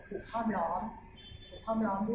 หรือเป็นอะไรที่คุณต้องการให้ดู